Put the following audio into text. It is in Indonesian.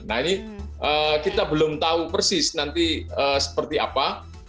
nah ini kita belum tahu persis nanti seperti apa